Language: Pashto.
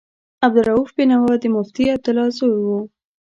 عبدالرؤف بېنوا د مفتي عبدالله زوی و.